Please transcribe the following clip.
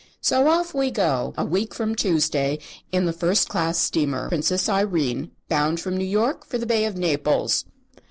So off we go, a week from Tuesday, in the first class steamer 'Princess Irene,' bound from New York for the Bay of Naples!"